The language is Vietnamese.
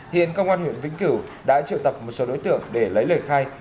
hiện công an huyện vĩnh cửu đã triệu tập một số đối tượng để lấy lời khai